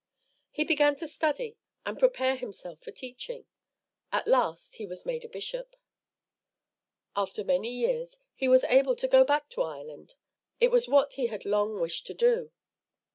He began to study and prepare himself for teaching. At last he was made a bishop. After many years, he was able to go back to Ireland. It was what he had long wished to do.